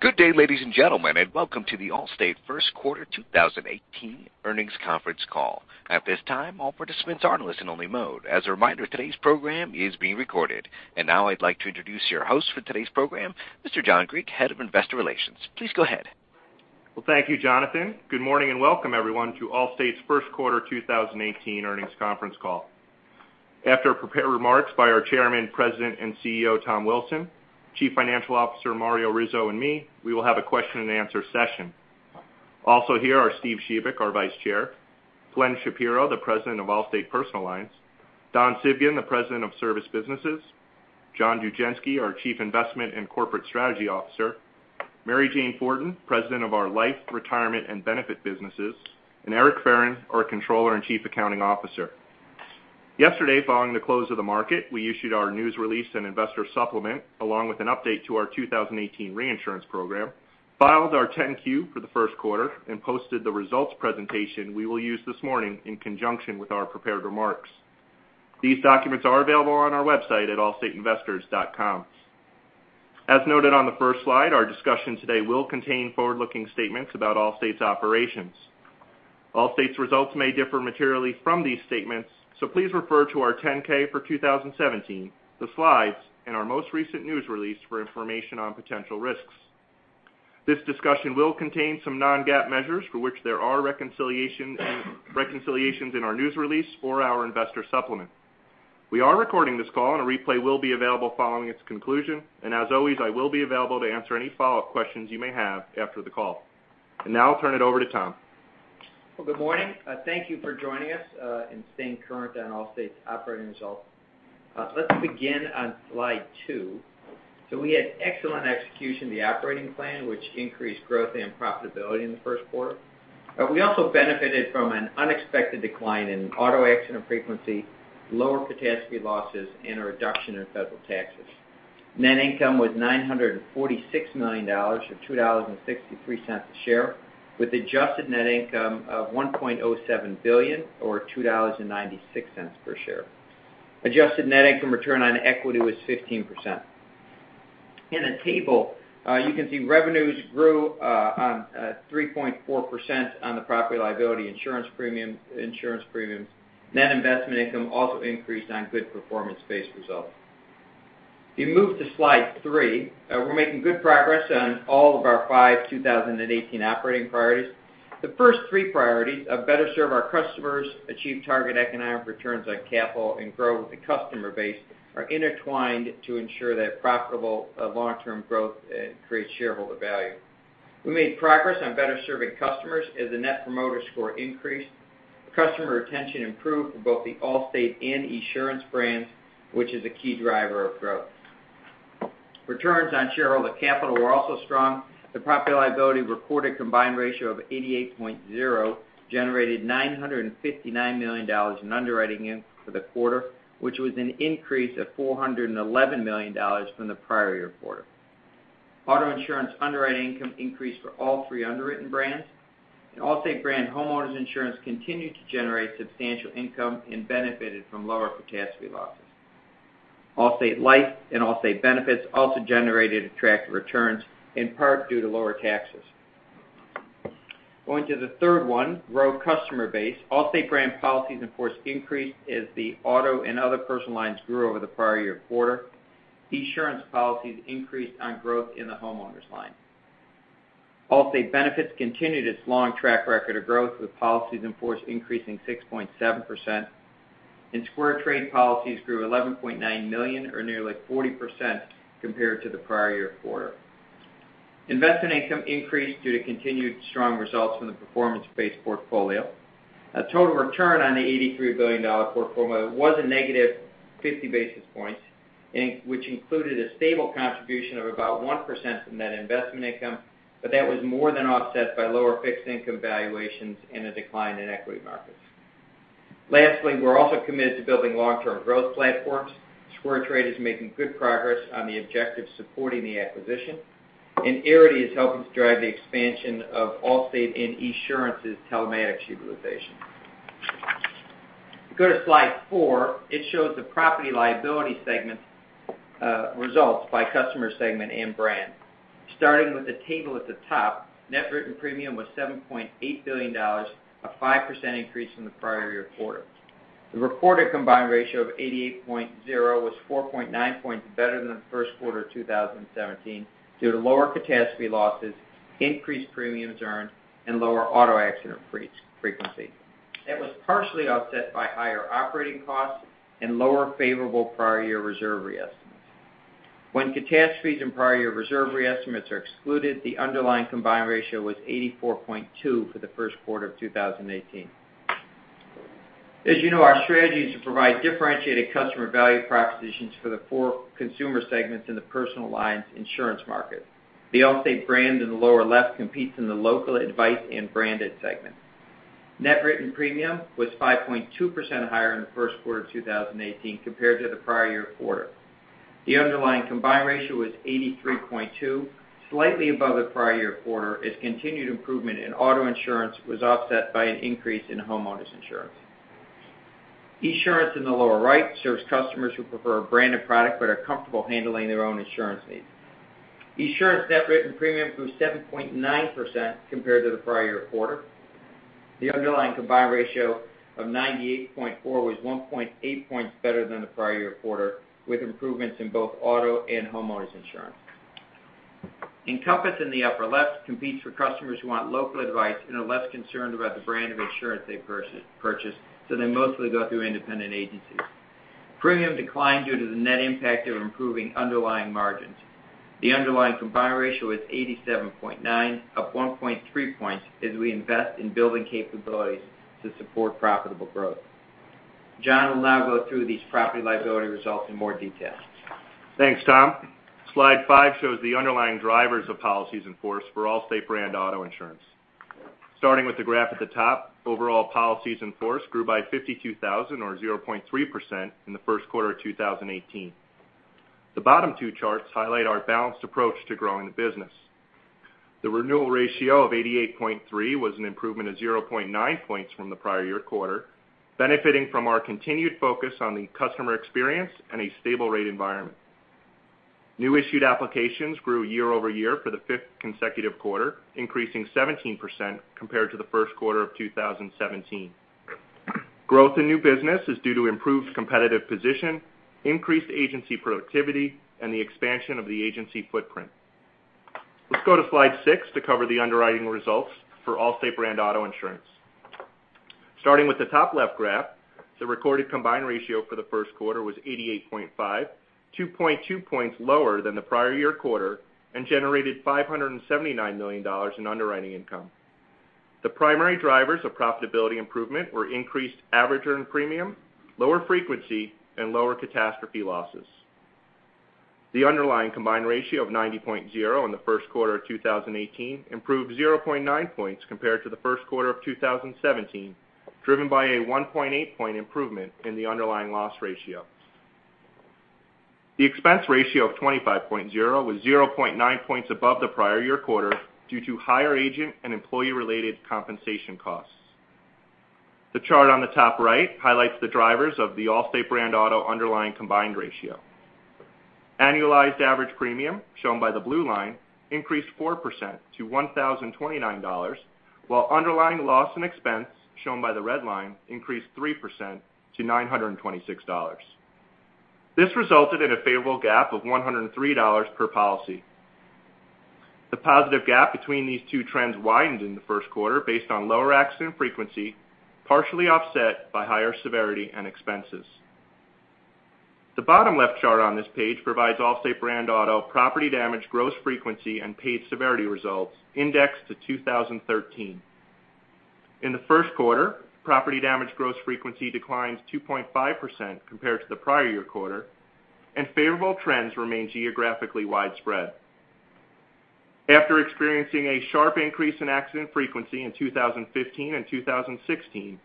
Good day, ladies and gentlemen, and welcome to the Allstate first quarter 2018 earnings conference call. At this time, all participants are in listen-only mode. As a reminder, today's program is being recorded. Now I'd like to introduce your host for today's program, Mr. John Griek, Head of Investor Relations. Please go ahead. Well, thank you, Jonathan. Good morning and welcome everyone to Allstate's first quarter 2018 earnings conference call. After prepared remarks by our Chairman, President, and CEO, Tom Wilson, Chief Financial Officer, Mario Rizzo, and me, we will have a question and answer session. Also here are Steve Shebik, our Vice Chair; Glenn Shapiro, the President of Allstate Personal Lines; Don Civgin, the President of Service Businesses; John Dugenske, our Chief Investment and Corporate Strategy Officer; Mary Jane Fortin, President of our Life, Retirement, and Benefit Businesses; and Eric Ferren, our Controller and Chief Accounting Officer. Yesterday, following the close of the market, we issued our news release and investor supplement, along with an update to our 2018 reinsurance program, filed our 10-Q for the first quarter, and posted the results presentation we will use this morning in conjunction with our prepared remarks. These documents are available on our website at allstateinvestors.com. As noted on the first slide, our discussion today will contain forward-looking statements about Allstate's operations. Allstate's results may differ materially from these statements, so please refer to our 10-K for 2017, the slides, and our most recent news release for information on potential risks. This discussion will contain some non-GAAP measures for which there are reconciliations in our news release or our investor supplement. We are recording this call, and a replay will be available following its conclusion. As always, I will be available to answer any follow-up questions you may have after the call. Now I'll turn it over to Tom. Well, good morning. Thank you for joining us, and staying current on Allstate's operating results. Let's begin on slide two. We had excellent execution of the operating plan, which increased growth and profitability in the first quarter. We also benefited from an unexpected decline in auto accident frequency, lower catastrophe losses, and a reduction in federal taxes. Net income was $946 million, or $2.63 a share, with adjusted net income of $1.07 billion, or $2.96 per share. Adjusted net income return on equity was 15%. In the table, you can see revenues grew 3.4% on the property liability insurance premiums. Net investment income also increased on good performance-based results. If you move to slide three, we're making good progress on all of our five 2018 operating priorities. The first three priorities of better serve our customers, achieve target economic returns on capital, and grow the customer base are intertwined to ensure that profitable long-term growth creates shareholder value. We made progress on better serving customers as the Net Promoter Score increased. Customer retention improved for both the Allstate and Esurance brands, which is a key driver of growth. Returns on shareholder capital were also strong. The property & liability recorded combined ratio of 88.0 generated $959 million in underwriting income for the quarter, which was an increase of $411 million from the prior year quarter. Auto insurance underwriting income increased for all three underwritten brands. The Allstate brand homeowners insurance continued to generate substantial income and benefited from lower catastrophe losses. Allstate Life and Allstate Benefits also generated attractive returns, in part due to lower taxes. Going to the third one, grow customer base. Allstate brand policies in force increased as the auto and other personal lines grew over the prior year quarter. Esurance policies increased on growth in the homeowners line. Allstate Benefits continued its long track record of growth, with policies in force increasing 6.7%. In SquareTrade policies grew 11.9 million or nearly 40% compared to the prior year quarter. Investment income increased due to continued strong results from the performance-based portfolio. A total return on the $83 billion portfolio was a negative 50 basis points, which included a stable contribution of about 1% from net investment income. That was more than offset by lower fixed income valuations and a decline in equity markets. Lastly, we're also committed to building long-term growth platforms. SquareTrade is making good progress on the objectives supporting the acquisition, and Arity is helping to drive the expansion of Allstate and Esurance's telematics utilization. If you go to slide four, it shows the property liability segment results by customer segment and brand. Starting with the table at the top, net written premium was $7.8 billion, a 5% increase from the prior year quarter. The reported combined ratio of 88.0 was 4.9 points better than the first quarter of 2017 due to lower catastrophe losses, increased premiums earned, and lower auto accident frequency. It was partially offset by higher operating costs and lower favorable prior year reserve reestimates. When catastrophes and prior year reserve reestimates are excluded, the underlying combined ratio was 84.2 for the first quarter of 2018. As you know, our strategy is to provide differentiated customer value propositions for the four consumer segments in the personal lines insurance market. The Allstate brand in the lower left competes in the local, advice, and branded segment. Net written premium was 5.2% higher in the first quarter of 2018 compared to the prior year quarter. The underlying combined ratio was 83.2, slightly above the prior year quarter as continued improvement in auto insurance was offset by an increase in homeowners insurance. Esurance in the lower right serves customers who prefer a branded product but are comfortable handling their own insurance needs. Esurance net written premium grew 7.9% compared to the prior quarter. The underlying combined ratio of 98.4 was 1.8 points better than the prior quarter, with improvements in both auto and homeowners insurance. Encompass in the upper left competes for customers who want local advice and are less concerned about the brand of insurance they purchase. They mostly go through independent agencies. Premium declined due to the net impact of improving underlying margins. The underlying combined ratio is 87.9, up 1.3 points as we invest in building capabilities to support profitable growth. John will now go through these property liability results in more detail. Thanks, Tom. Slide five shows the underlying drivers of policies in force for Allstate brand auto insurance. Starting with the graph at the top, overall policies in force grew by 52,000 or 0.3% in the first quarter of 2018. The bottom two charts highlight our balanced approach to growing the business. The renewal ratio of 88.3 was an improvement of 0.9 points from the prior-year quarter, benefiting from our continued focus on the customer experience and a stable rate environment. New issued applications grew year-over-year for the fifth consecutive quarter, increasing 17% compared to the first quarter of 2017. Growth in new business is due to improved competitive position, increased agency productivity, and the expansion of the agency footprint. Let's go to slide six to cover the underwriting results for Allstate brand auto insurance. Starting with the top left graph, the recorded combined ratio for the first quarter was 88.5, 2.2 points lower than the prior-year quarter and generated $579 million in underwriting income. The primary drivers of profitability improvement were increased average earned premium, lower frequency, and lower catastrophe losses. The underlying combined ratio of 90.0 in the first quarter of 2018 improved 0.9 points compared to the first quarter of 2017, driven by a 1.8-point improvement in the underlying loss ratio. The expense ratio of 25.0 was 0.9 points above the prior-year quarter due to higher agent and employee-related compensation costs. The chart on the top right highlights the drivers of the Allstate brand auto underlying combined ratio. Annualized average premium, shown by the blue line, increased 4% to $1,029, while underlying loss and expense, shown by the red line, increased 3% to $926. This resulted in a favorable gap of $103 per policy. The positive gap between these two trends widened in the first quarter based on lower accident frequency, partially offset by higher severity and expenses. The bottom left chart on this page provides Allstate brand auto property damage, gross frequency, and paid severity results indexed to 2013. In the first quarter, property damage gross frequency declined 2.5% compared to the prior-year quarter, and favorable trends remain geographically widespread. After experiencing a sharp increase in accident frequency in 2015 and 2016,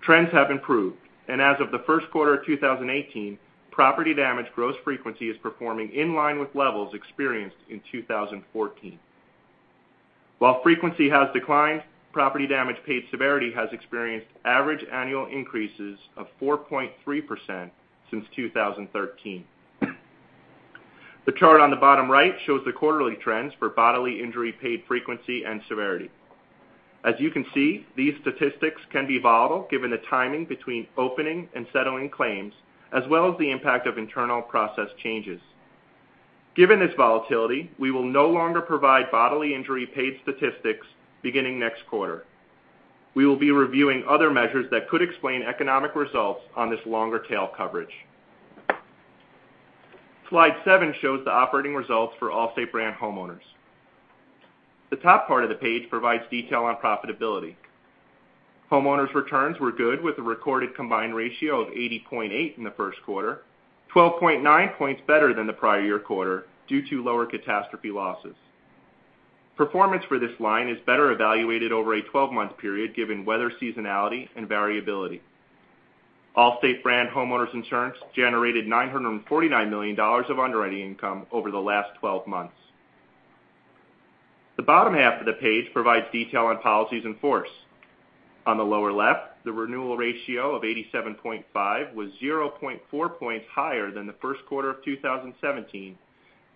trends have improved, and as of the first quarter of 2018, property damage gross frequency is performing in line with levels experienced in 2014. While frequency has declined, property damage paid severity has experienced average annual increases of 4.3% since 2013. The chart on the bottom right shows the quarterly trends for bodily injury paid frequency and severity. As you can see, these statistics can be volatile given the timing between opening and settling claims, as well as the impact of internal process changes. Given this volatility, we will no longer provide bodily injury paid statistics beginning next quarter. We will be reviewing other measures that could explain economic results on this longer tail coverage. Slide seven shows the operating results for Allstate brand homeowners. The top part of the page provides detail on profitability. Homeowners' returns were good, with a recorded combined ratio of 80.8 in the first quarter, 12.9 points better than the prior quarter due to lower catastrophe losses. Performance for this line is better evaluated over a 12-month period, given weather seasonality and variability. Allstate brand homeowners insurance generated $949 million of underwriting income over the last 12 months. The bottom half of the page provides detail on policies in force. On the lower left, the renewal ratio of 87.5 was 0.4 points higher than the first quarter of 2017,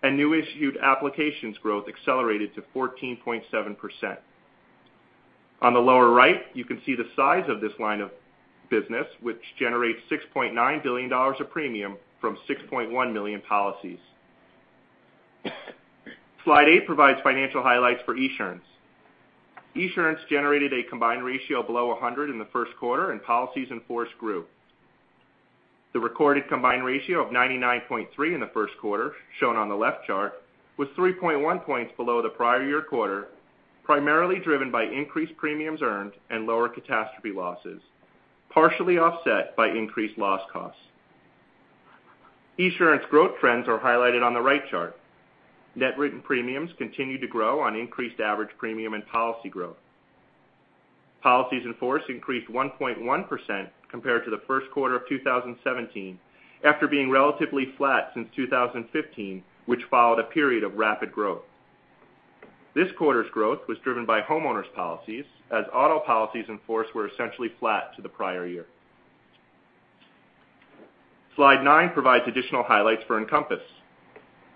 and new issued applications growth accelerated to 14.7%. On the lower right, you can see the size of this line of business, which generates $6.9 billion of premium from 6.1 million policies. Slide eight provides financial highlights for Esurance. Esurance generated a combined ratio below 100 in the first quarter, and policies in force grew. The recorded combined ratio of 99.3 in the first quarter, shown on the left chart, was 3.1 points below the prior-year quarter, primarily driven by increased premiums earned and lower catastrophe losses, partially offset by increased loss costs. Esurance growth trends are highlighted on the right chart. Net written premiums continued to grow on increased average premium and policy growth. Policies in force increased 1.1% compared to the first quarter of 2017 after being relatively flat since 2015, which followed a period of rapid growth. This quarter's growth was driven by homeowners policies, as auto policies in force were essentially flat to the prior year. Slide nine provides additional highlights for Encompass.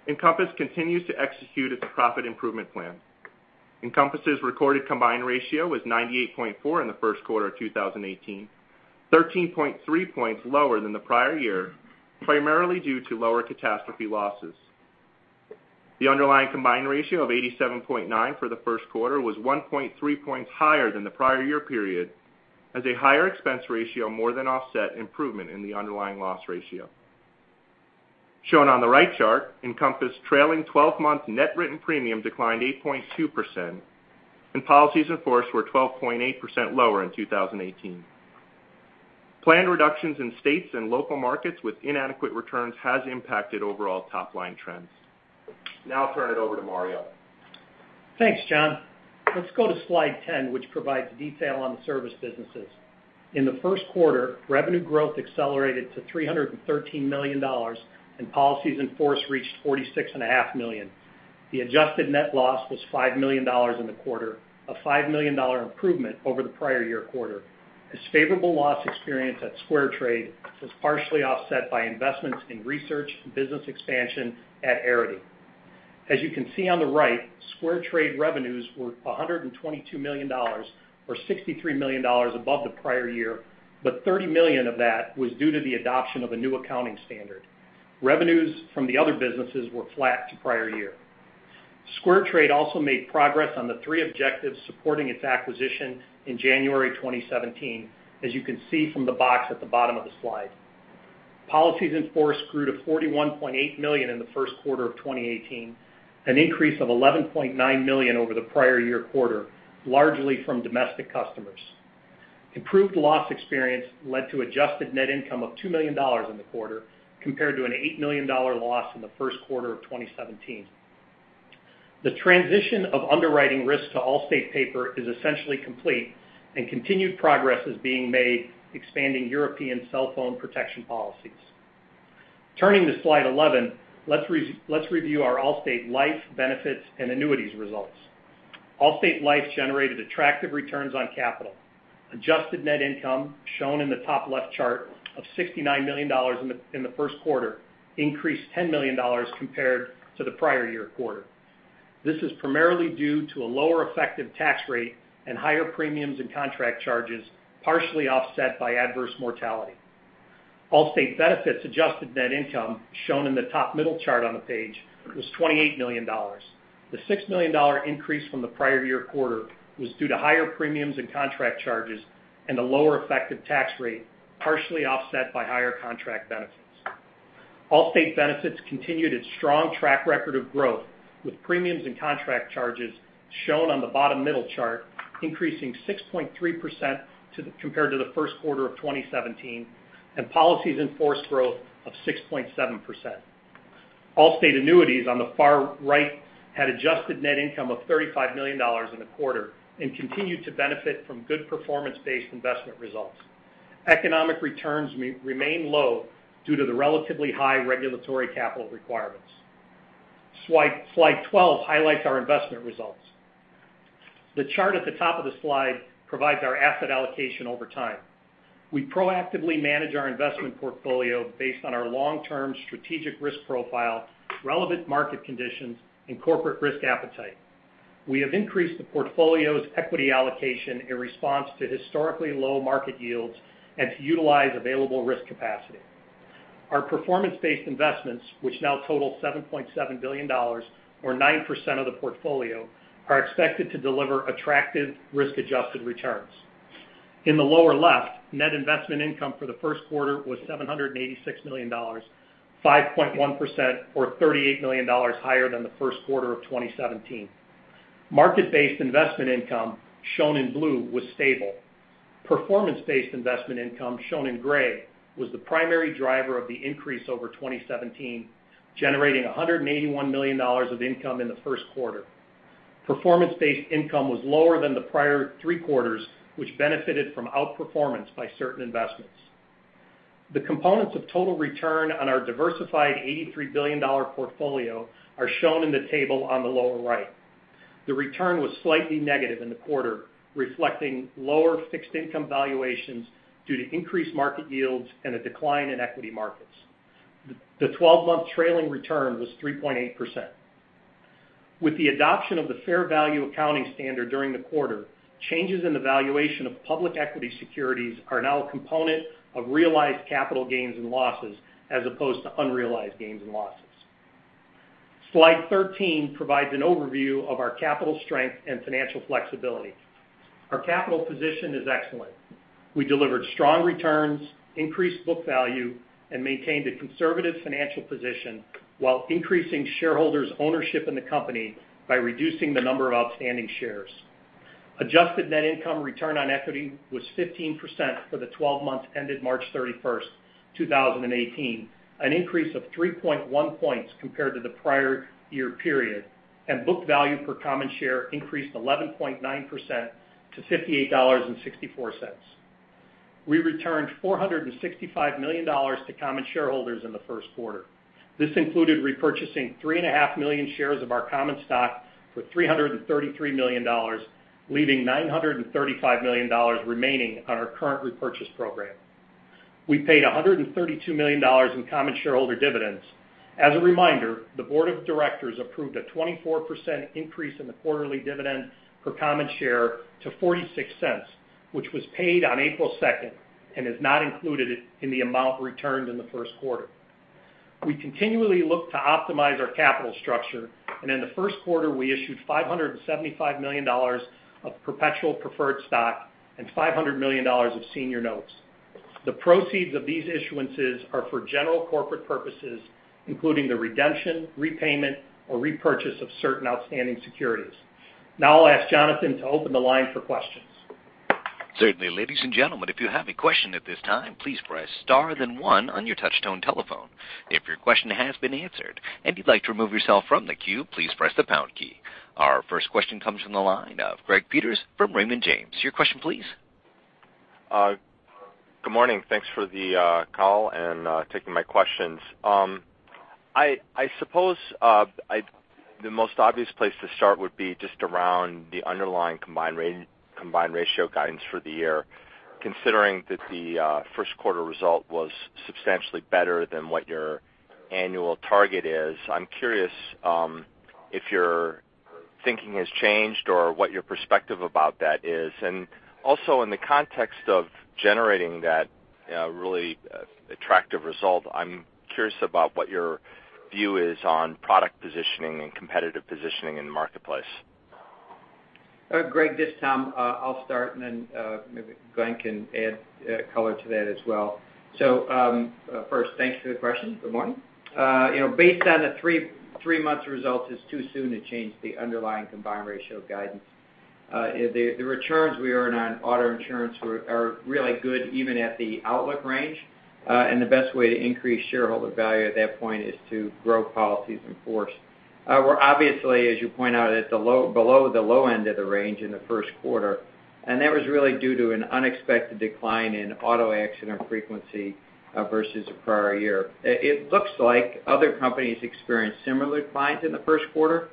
Encompass continues to execute its profit improvement plan. Encompass' recorded combined ratio was 98.4 in the first quarter of 2018, 13.3 points lower than the prior year, primarily due to lower catastrophe losses. The underlying combined ratio of 87.9 for the first quarter was 1.3 points higher than the prior year period, as a higher expense ratio more than offset improvement in the underlying loss ratio. Shown on the right chart, Encompass trailing 12-month net written premium declined 8.2%, and policies in force were 12.8% lower in 2018. Planned reductions in states and local markets with inadequate returns has impacted overall top-line trends. I'll turn it over to Mario. Thanks, John. Let's go to slide 10, which provides detail on the service businesses. In the first quarter, revenue growth accelerated to $313 million, and policies in force reached 46.5 million. The adjusted net loss was $5 million in the quarter, a $5 million improvement over the prior year quarter, as favorable loss experience at SquareTrade was partially offset by investments in research and business expansion at Arity. As you can see on the right, SquareTrade revenues were $122 million, or $63 million above the prior year, $30 million of that was due to the adoption of a new accounting standard. Revenues from the other businesses were flat to prior year. SquareTrade also made progress on the three objectives supporting its acquisition in January 2017, as you can see from the box at the bottom of the slide. Policies in force grew to 41.8 million in the first quarter of 2018, an increase of 11.9 million over the prior year quarter, largely from domestic customers. Improved loss experience led to adjusted net income of $2 million in the quarter, compared to an $8 million loss in the first quarter of 2017. The transition of underwriting risk to Allstate paper is essentially complete, and continued progress is being made expanding European cell phone protection policies. Turning to slide 11, let's review our Allstate Life benefits and annuities results. Allstate Life generated attractive returns on capital. Adjusted net income, shown in the top left chart of $69 million in the first quarter, increased $10 million compared to the prior year quarter. This is primarily due to a lower effective tax rate and higher premiums and contract charges, partially offset by adverse mortality. Allstate Benefits adjusted net income, shown in the top middle chart on the page, was $28 million. The $6 million increase from the prior year quarter was due to higher premiums and contract charges and a lower effective tax rate, partially offset by higher contract benefits. Allstate Benefits continued its strong track record of growth, with premiums and contract charges shown on the bottom middle chart increasing 6.3% compared to the first quarter of 2017, and policies in force growth of 6.7%. Allstate Annuities on the far right had adjusted net income of $35 million in the quarter and continued to benefit from good performance-based investment results. Economic returns remain low due to the relatively high regulatory capital requirements. Slide 12 highlights our investment results. The chart at the top of the slide provides our asset allocation over time. We proactively manage our investment portfolio based on our long-term strategic risk profile, relevant market conditions, and corporate risk appetite. We have increased the portfolio's equity allocation in response to historically low market yields and to utilize available risk capacity. Our performance-based investments, which now total $7.7 billion, or 9% of the portfolio, are expected to deliver attractive risk-adjusted returns. In the lower left, net investment income for the first quarter was $786 million, 5.1%, or $38 million higher than the first quarter of 2017. Market-based investment income, shown in blue, was stable. Performance-based investment income, shown in gray, was the primary driver of the increase over 2017, generating $181 million of income in the first quarter. Performance-based income was lower than the prior three quarters, which benefited from outperformance by certain investments. The components of total return on our diversified $83 billion portfolio are shown in the table on the lower right. The return was slightly negative in the quarter, reflecting lower fixed income valuations due to increased market yields and a decline in equity markets. The 12-month trailing return was 3.8%. With the adoption of the fair value accounting standard during the quarter, changes in the valuation of public equity securities are now a component of realized capital gains and losses as opposed to unrealized gains and losses. Slide 13 provides an overview of our capital strength and financial flexibility. Our capital position is excellent. We delivered strong returns, increased book value, and maintained a conservative financial position while increasing shareholders' ownership in the company by reducing the number of outstanding shares. Adjusted net income return on equity was 15% for the 12 months ended March 31st, 2018, an increase of 3.1 points compared to the prior year period. Book value per common share increased 11.9% to $58.64. We returned $465 million to common shareholders in the first quarter. This included repurchasing three and a half million shares of our common stock for $333 million, leaving $935 million remaining on our current repurchase program. We paid $132 million in common shareholder dividends. As a reminder, the board of directors approved a 24% increase in the quarterly dividend per common share to $0.46, which was paid on April 2nd and is not included in the amount returned in the first quarter. We continually look to optimize our capital structure. In the first quarter, we issued $575 million of perpetual preferred stock and $500 million of senior notes. The proceeds of these issuances are for general corporate purposes, including the redemption, repayment, or repurchase of certain outstanding securities. I'll ask Jonathan to open the line for questions. Certainly. Ladies and gentlemen, if you have a question at this time, please press star then one on your touchtone telephone. If your question has been answered and you'd like to remove yourself from the queue, please press the pound key. Our first question comes from the line of Greg Peters from Raymond James. Your question please. Good morning. Thanks for the call and taking my questions. I suppose the most obvious place to start would be just around the underlying combined ratio guidance for the year. Considering that the first quarter result was substantially better than what your annual target is, I'm curious if your thinking has changed or what your perspective about that is. In the context of generating that really attractive result, I'm curious about what your view is on product positioning and competitive positioning in the marketplace. Greg, this is Tom. I'll start and then maybe Glenn can add color to that as well. First, thanks for the question. Good morning. Based on the three months results, it's too soon to change the underlying combined ratio guidance. The returns we earn on auto insurance are really good even at the outlook range. The best way to increase shareholder value at that point is to grow policies in force. We're obviously, as you point out, at below the low end of the range in the first quarter, and that was really due to an unexpected decline in auto accident frequency versus the prior year. It looks like other companies experienced similar declines in the first quarter,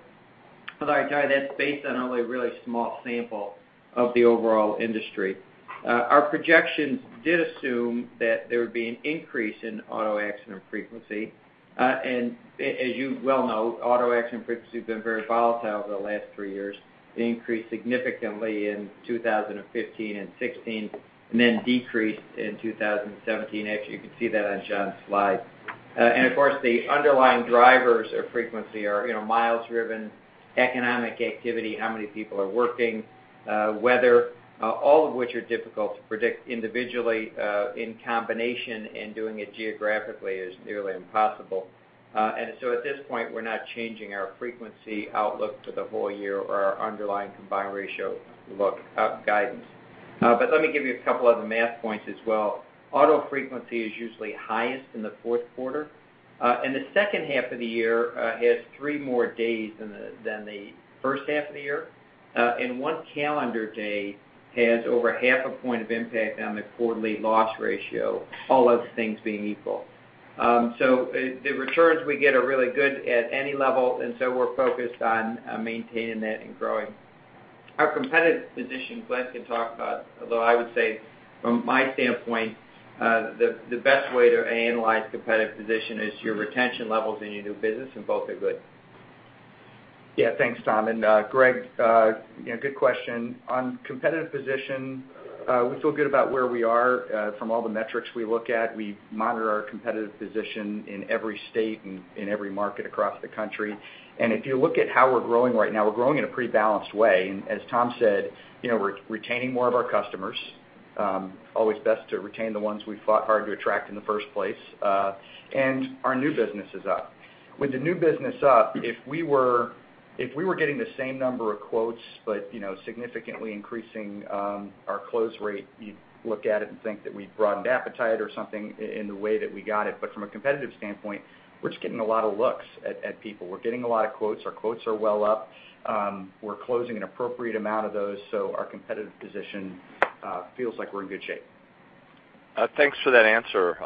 although I'd argue that's based on only a really small sample of the overall industry. Our projections did assume that there would be an increase in auto accident frequency. As you well know, auto accident frequency has been very volatile over the last three years. It increased significantly in 2015 and 2016, and then decreased in 2017. Actually, you can see that on John's slide. Of course, the underlying drivers of frequency are miles driven, economic activity, how many people are working, weather, all of which are difficult to predict individually. In combination and doing it geographically is nearly impossible. At this point, we're not changing our frequency outlook for the whole year or our underlying combined ratio look guidance. Let me give you a couple other math points as well. Auto frequency is usually highest in the fourth quarter. The second half of the year has three more days than the first half of the year. One calendar day has over half a point of impact on the quarterly loss ratio, all those things being equal. The returns we get are really good at any level, and so we're focused on maintaining that and growing. Our competitive position, Glenn can talk about, although I would say from my standpoint, the best way to analyze competitive position is your retention levels in your new business, and both are good. Yeah, thanks, Tom. Greg, good question. On competitive position, we feel good about where we are from all the metrics we look at. We monitor our competitive position in every state and in every market across the country. If you look at how we're growing right now, we're growing in a pretty balanced way. As Tom said, we're retaining more of our customers. Always best to retain the ones we fought hard to attract in the first place. Our new business is up. With the new business up, if we were getting the same number of quotes, but significantly increasing our close rate, you'd look at it and think that we've broadened appetite or something in the way that we got it. From a competitive standpoint, we're just getting a lot of looks at people. We're getting a lot of quotes. Our quotes are well up. We're closing an appropriate amount of those. Our competitive position feels like we're in good shape. Thanks for that answer.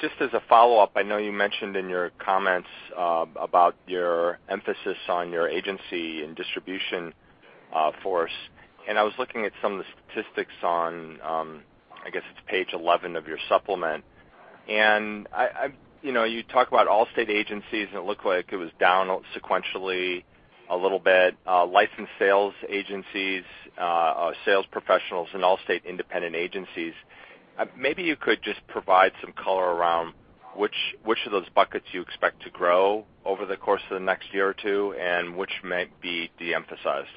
Just as a follow-up, I know you mentioned in your comments about your emphasis on your agency and distribution force, and I was looking at some of the statistics on, I guess it's page 11 of your supplement. You talk about Allstate agencies, and it looked like it was down sequentially a little bit. Licensed sales agencies, sales professionals in Allstate independent agencies. Maybe you could just provide some color around which of those buckets you expect to grow over the course of the next year or two, and which might be de-emphasized.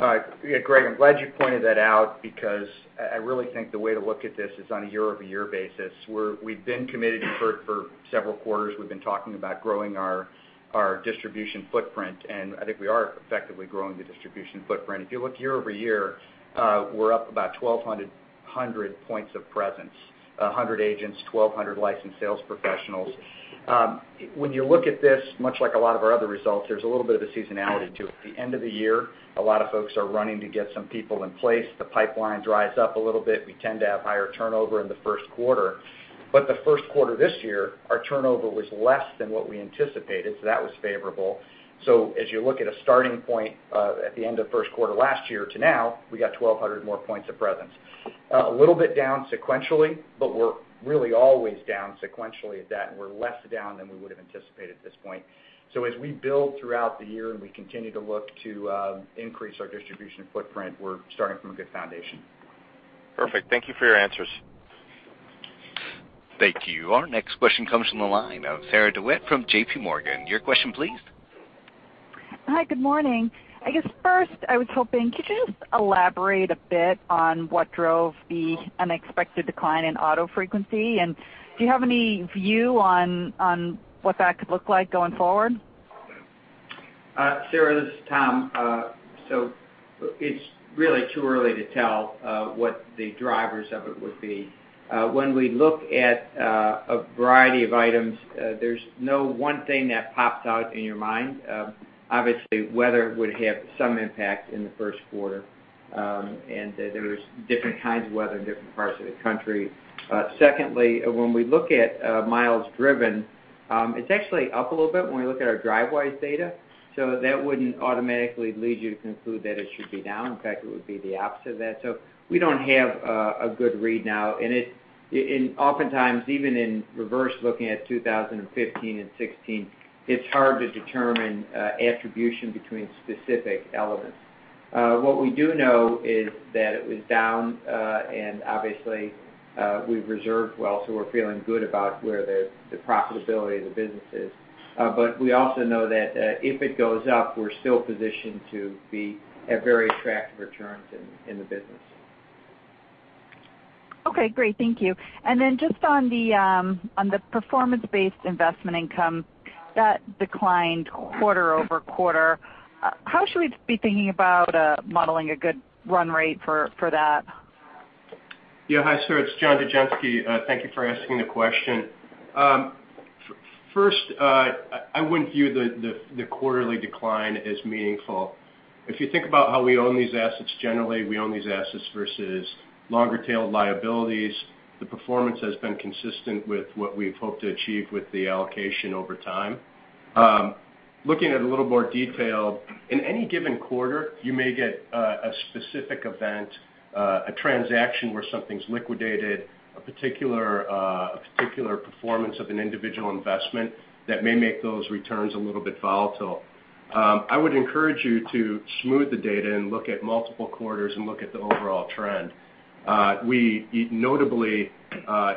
Yeah, Greg, I'm glad you pointed that out because I really think the way to look at this is on a year-over-year basis. We've been committed for several quarters. We've been talking about growing our distribution footprint. I think we are effectively growing the distribution footprint. If you look year-over-year, we're up about 1,200 100 points of presence, 100 agents, 1,200 licensed sales professionals. When you look at this, much like a lot of our other results, there's a little bit of a seasonality to it. The end of the year, a lot of folks are running to get some people in place. The pipeline dries up a little bit. We tend to have higher turnover in the first quarter. The first quarter this year, our turnover was less than what we anticipated, so that was favorable. As you look at a starting point, at the end of first quarter last year to now, we got 1,200 more points of presence. A little bit down sequentially, we're really always down sequentially at that, and we're less down than we would've anticipated at this point. As we build throughout the year and we continue to look to increase our distribution footprint, we're starting from a good foundation. Perfect. Thank you for your answers. Thank you. Our next question comes from the line of Sarah DeWitt from J.P. Morgan. Your question please. Hi, good morning. I guess first I was hoping, could you just elaborate a bit on what drove the unexpected decline in auto frequency? Do you have any view on what that could look like going forward? Sarah, this is Tom. It's really too early to tell what the drivers of it would be. When we look at a variety of items, there's no one thing that pops out in your mind. Obviously, weather would have some impact in the first quarter, and there was different kinds of weather in different parts of the country. Secondly, when we look at miles driven, it's actually up a little bit when we look at our Drivewise data. That wouldn't automatically lead you to conclude that it should be down. In fact, it would be the opposite of that. We don't have a good read now, and oftentimes even in reverse, looking at 2015 and 2016, it's hard to determine attribution between specific elements. What we do know is that it was down, and obviously, we've reserved well, so we're feeling good about where the profitability of the business is. We also know that if it goes up, we're still positioned to be at very attractive returns in the business. Okay, great. Thank you. Then just on the performance-based investment income that declined quarter-over-quarter, how should we be thinking about modeling a good run rate for that? Hi, Sarah, it's John Dugenske. Thank you for asking the question. First, I wouldn't view the quarterly decline as meaningful. If you think about how we own these assets, generally, we own these assets versus longer-tailed liabilities. The performance has been consistent with what we've hoped to achieve with the allocation over time. Looking at a little more detail, in any given quarter, you may get a specific event, a transaction where something's liquidated, a particular performance of an individual investment that may make those returns a little bit volatile. I would encourage you to smooth the data and look at multiple quarters and look at the overall trend. We notably,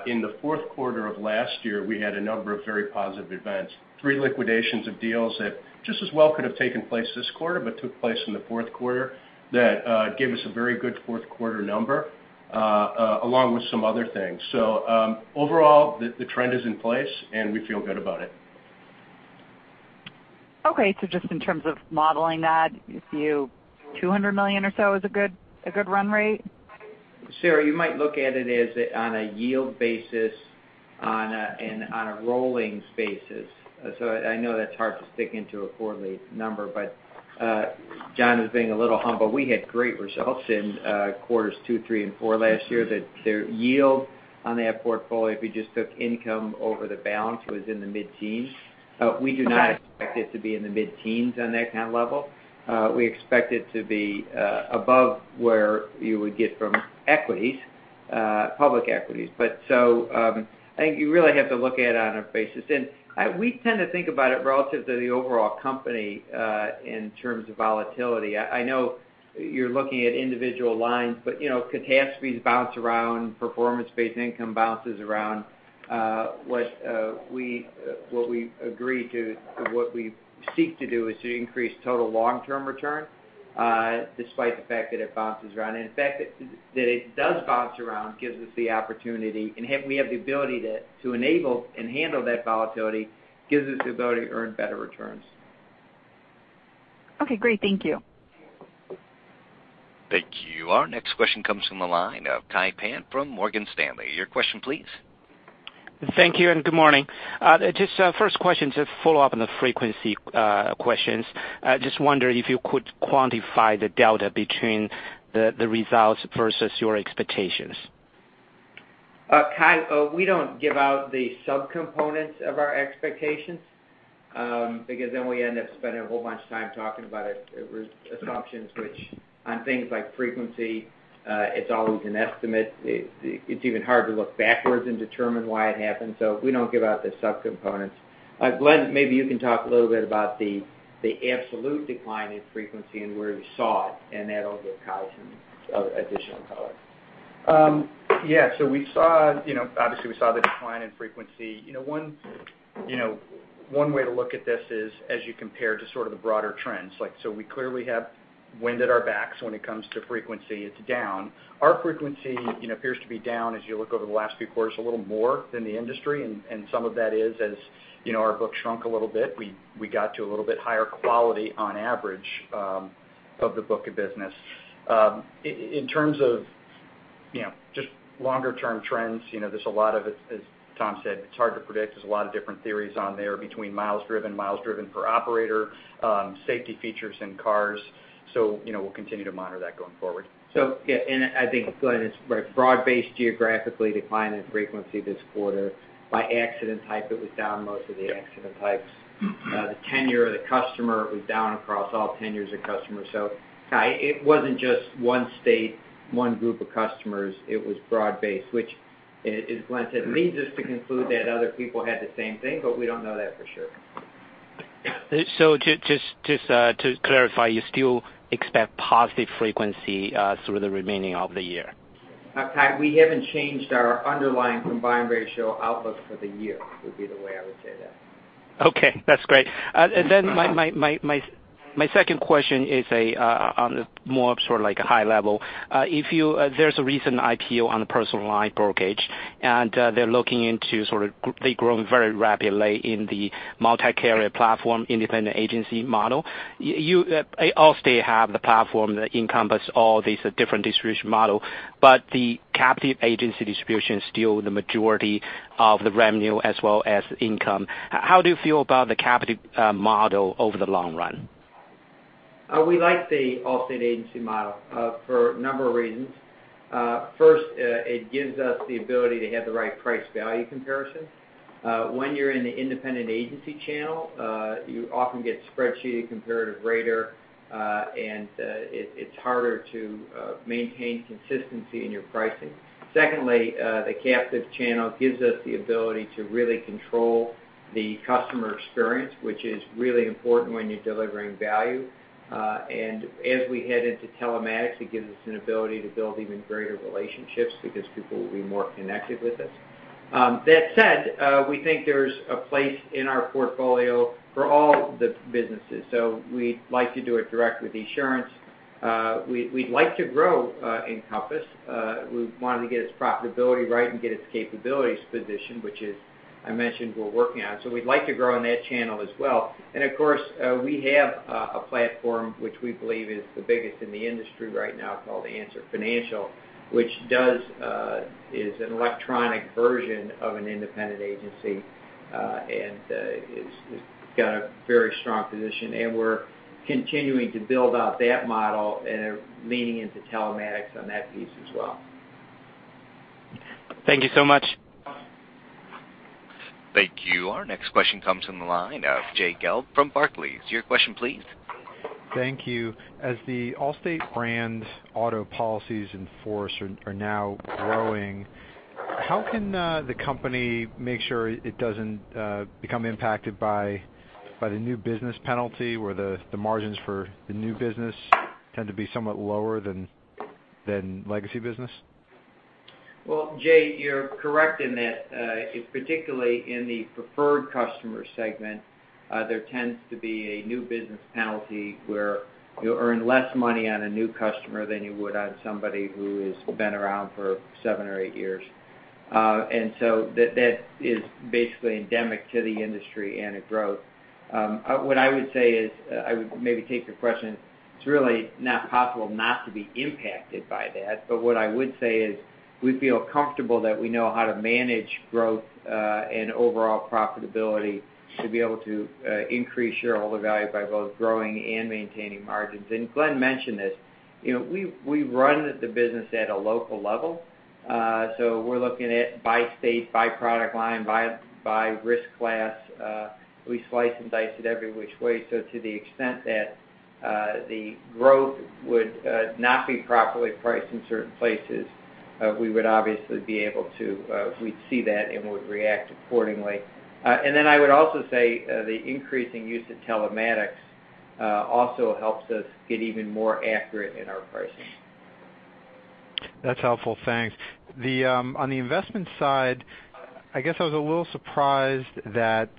in the fourth quarter of last year, we had a number of very positive events, 3 liquidations of deals that just as well could have taken place this quarter but took place in the fourth quarter that gave us a very good fourth quarter number, along with some other things. Overall, the trend is in place, and we feel good about it. Just in terms of modeling that, if you, $200 million or so is a good run rate? Sarah, you might look at it as on a yield basis and on a rolling basis. I know that's hard to stick into a quarterly number, John is being a little humble. We had great results in quarters two, three, and four last year that their yield on that portfolio, if you just took income over the balance, was in the mid-teens. We do not expect it to be in the mid-teens on that kind of level. We expect it to be above where you would get from equities, public equities. I think you really have to look at it on a basis. We tend to think about it relative to the overall company, in terms of volatility. I know you're looking at individual lines, but catastrophes bounce around, performance-based income bounces around. What we agree to, or what we seek to do is to increase total long-term return, despite the fact that it bounces around. In fact, that it does bounce around, gives us the opportunity, and we have the ability to enable and handle that volatility, gives us the ability to earn better returns. Okay, great. Thank you. Thank you. Our next question comes from the line of Kai Pan from Morgan Stanley. Your question, please. Thank you. Good morning. Just a first question to follow up on the frequency questions. Just wonder if you could quantify the delta between the results versus your expectations. Kai, we don't give out the subcomponents of our expectations, because then we end up spending a whole bunch of time talking about assumptions which on things like frequency, it's always an estimate. It's even hard to look backwards and determine why it happened. We don't give out the subcomponents. Glenn, maybe you can talk a little bit about the absolute decline in frequency and where you saw it, That'll give Kai some additional color. Yeah. Obviously we saw the decline in frequency. One way to look at this is as you compare to sort of the broader trends. We clearly have wind at our backs when it comes to frequency. It's down. Our frequency appears to be down as you look over the last few quarters, a little more than the industry. Some of that is, as our book shrunk a little bit. We got to a little bit higher quality on average of the book of business. In terms of Just longer-term trends, there's a lot of it, as Tom said, it's hard to predict. There's a lot of different theories on there between miles driven, miles driven per operator, safety features in cars. We'll continue to monitor that going forward. Yeah. I think, Glenn is right. Broad-based geographically decline in frequency this quarter. By accident type, it was down most of the accident types. The tenure of the customer was down across all tenures of customers. Kai, it wasn't just one state, one group of customers, it was broad-based, which, as Glenn said, leads us to conclude that other people had the same thing, but we don't know that for sure. Just to clarify, you still expect positive frequency through the remaining of the year? Kai, we haven't changed our underlying combined ratio outlook for the year, would be the way I would say that. Okay, that's great. My second question is on more of sort of like a high level. There's a recent IPO on personal line brokerage, and they're looking into. They're growing very rapidly in the multi-carrier platform, independent agency model. Allstate have the platform that Encompass all these different distribution model, but the captive agency distribution is still the majority of the revenue as well as income. How do you feel about the captive model over the long run? We like the Allstate agency model for a number of reasons. First, it gives us the ability to have the right price-value comparison. When you're in the independent agency channel, you often get spreadsheeted comparative rater, and it's harder to maintain consistency in your pricing. Secondly, the captive channel gives us the ability to really control the customer experience, which is really important when you're delivering value. As we head into telematics, it gives us an ability to build even greater relationships because people will be more connected with us. That said, we think there's a place in our portfolio for all the businesses. We'd like to do it direct with Esurance. We'd like to grow Encompass. We wanted to get its profitability right and get its capabilities positioned, which is, I mentioned, we're working on. We'd like to grow in that channel as well. Of course, we have a platform which we believe is the biggest in the industry right now, called Answer Financial, which is an electronic version of an independent agency, and it's got a very strong position, and we're continuing to build out that model and are leaning into telematics on that piece as well. Thank you so much. Thank you. Our next question comes from the line of Jay Gelb from Barclays. Your question please? Thank you. As the Allstate brand auto policies in force are now growing, how can the company make sure it doesn't become impacted by the new business penalty, where the margins for the new business tend to be somewhat lower than legacy business? Well, Jay, you're correct in that, particularly in the preferred customer segment, there tends to be a new business penalty where you'll earn less money on a new customer than you would on somebody who has been around for seven or eight years. That is basically endemic to the industry and to growth. What I would say is, I would maybe take the question, it's really not possible not to be impacted by that. What I would say is we feel comfortable that we know how to manage growth and overall profitability to be able to increase shareholder value by both growing and maintaining margins. Glenn mentioned this. We run the business at a local level. We're looking at by state, by product line, by risk class. We slice and dice it every which way. To the extent that the growth would not be properly priced in certain places, we would obviously be able to, if we see that, and would react accordingly. I would also say, the increasing use of telematics also helps us get even more accurate in our pricing. That's helpful. Thanks. On the investment side, I guess I was a little surprised that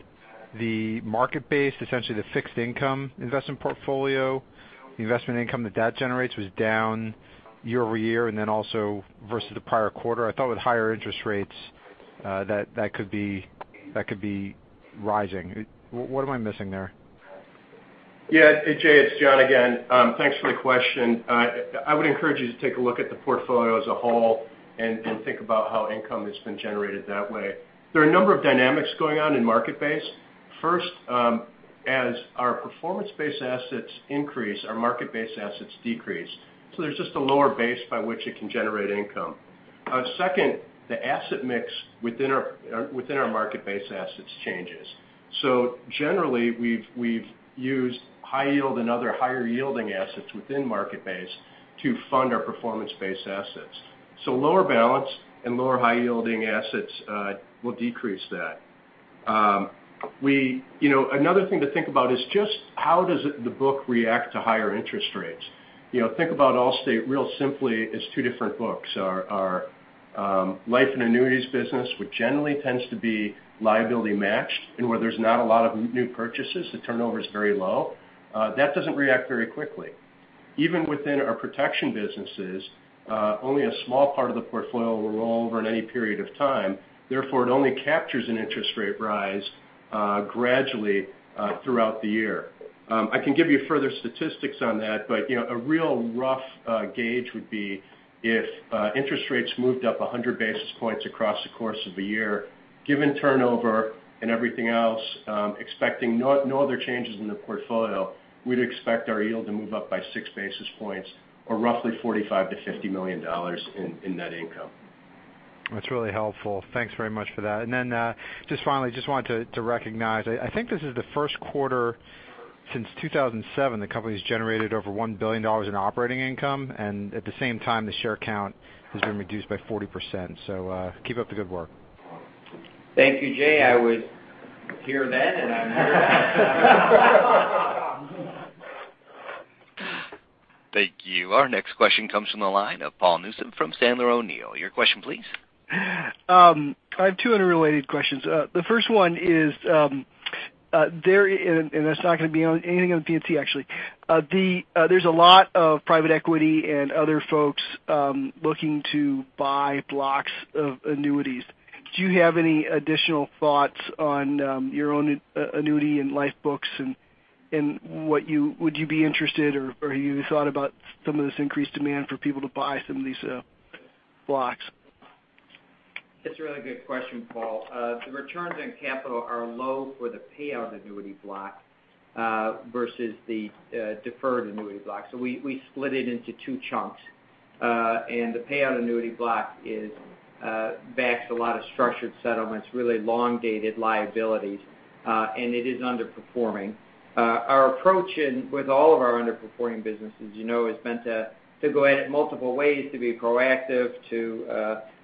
the market-based, essentially the fixed-income investment portfolio, the investment income that that generates was down year-over-year and also versus the prior quarter. I thought with higher interest rates, that could be rising. What am I missing there? Yeah, Jay, it's John again. Thanks for the question. I would encourage you to take a look at the portfolio as a whole and think about how income has been generated that way. There are a number of dynamics going on in market-based. First, as our performance-based assets increase, our market-based assets decrease. There's just a lower base by which it can generate income. Second, the asset mix within our market-based assets changes. Generally, we've used high yield and other higher yielding assets within market-based to fund our performance-based assets. Lower balance and lower high yielding assets will decrease that. Another thing to think about is just how does the book react to higher interest rates? Think about Allstate real simply as two different books. Our life and annuities business, which generally tends to be liability matched and where there's not a lot of new purchases, the turnover is very low. That doesn't react very quickly. Even within our protection businesses, only a small part of the portfolio will roll over in any period of time. Therefore, it only captures an interest rate rise gradually throughout the year. I can give you further statistics on that, but a real rough gauge would be if interest rates moved up 100 basis points across the course of a year, given turnover and everything else, expecting no other changes in the portfolio, we'd expect our yield to move up by six basis points or roughly $45 million-$50 million in net income. That's really helpful. Thanks very much for that. Just finally, just wanted to recognize, I think this is the first quarter since 2007 the company's generated over $1 billion in operating income, and at the same time, the share count has been reduced by 40%. Keep up the good work. Thank you, Jay. I was here then, and I'm here now. Thank you. Our next question comes from the line of Paul Newsome from Sandler O'Neill. Your question, please. I have two unrelated questions. The first one is, that's not going to be on anything on P&C, actually. There's a lot of private equity and other folks looking to buy blocks of annuities. Do you have any additional thoughts on your own annuity and life books and would you be interested or you thought about some of this increased demand for people to buy some of these blocks? That's a really good question, Paul. The returns on capital are low for the payout annuity block versus the deferred annuity block. We split it into two chunks. The payout annuity block backs a lot of structured settlements, really long-dated liabilities, and it is underperforming. Our approach with all of our underperforming businesses is meant to go at it multiple ways, to be proactive,